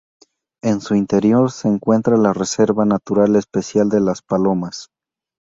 En su interior se encuentra la Reserva Natural Especial de Las Palomas.